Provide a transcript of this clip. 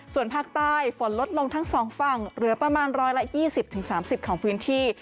ส่วนภาคใต้ฝนลดลงทั้ง๒ฝั่งเหลือประมาณ๑๒๐๓๐ของพื้นที่